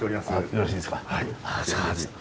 よろしいですか。